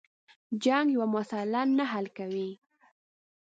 جنگ یوه مسله نه حل کوي.